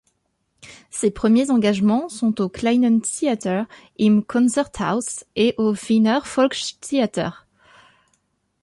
Ses premiers engagements sont au Kleinen Theater im Konzerthaus, et au Wiener Volkstheater.